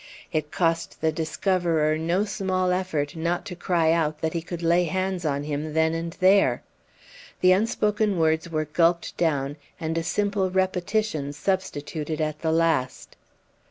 It cost the discoverer no small effort not to cry out that he could lay hands on him then and there. The unspoken words were gulped down, and a simple repetition substituted at the last.